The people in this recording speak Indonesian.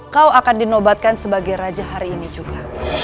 kau akan dinobatkan sebagai raja hari ini juga